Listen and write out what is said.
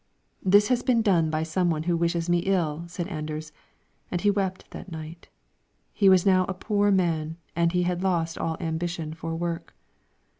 "This has been done by some one who wishes me ill," said Anders, and he wept that night. He was now a poor man and had lost all ambition for work.